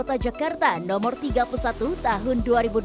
kota jakarta nomor tiga puluh satu tahun dua ribu dua puluh